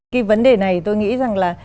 cái vấn đề này tôi nghĩ rằng là